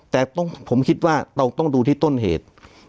แต่ผมคิดว่าเราต้องดูที่ต้นเหตุ